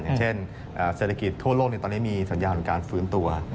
อย่างเช่นเศรษฐกิจทั่วโลกตอนนี้มีสัญญาณของการฟื้นตัว